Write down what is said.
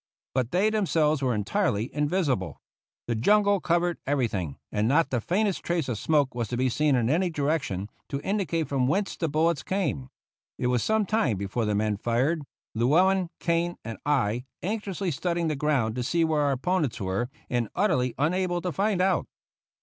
But they themselves were entirely invisible. The jungle covered everything, and not the faintest trace of smoke was to be seen in any direction to indicate from whence the bullets came. It was some time before the men fired; Llewellen, Kane, and I anxiously studying the ground to see where our opponents were, and utterly unable to find out.